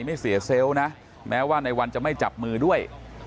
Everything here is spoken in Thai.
ไม่เสียเซลล์นะแม้ว่าในวันจะไม่จับมือด้วย